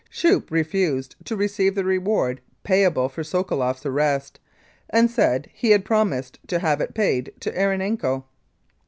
Schoeppe refused to receive the reward payable for Sokoloff's arrest, and said he had promised to have it paid to Erenenko.